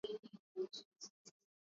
Na ba kujicha nabo bana pashwa ku rima